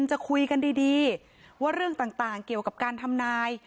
จะคุยกันดีว่าเรื่องต่างเกี่ยวกับการทำนาย